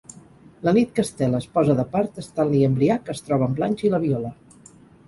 La nit que Stella es posa de part, Stanley embriac es troba amb Blanche i la viola.